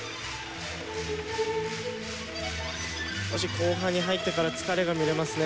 少し後半に入ってから疲れが見れますね。